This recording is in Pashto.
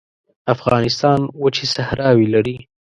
افغانستان وچې صحراوې لري